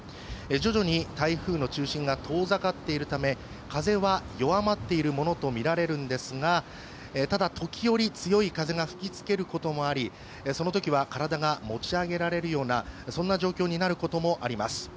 徐々に台風の中心が遠ざかっているため風は弱まっているものとみられるんですがただ時折強い風が吹きつけることもありそのときは体が持ち上げられるような状況になることもあります。